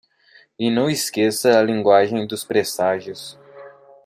E não esqueça a linguagem dos presságios.